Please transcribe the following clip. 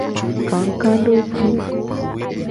Kakadoji.